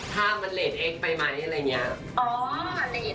ถ้ามันเลสเอกไปมาได้อะไรอย่างเนี้ย